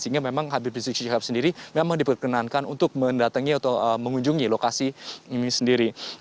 sehingga memang habib rizik syihab sendiri memang diperkenankan untuk mendatangi atau mengunjungi lokasi ini sendiri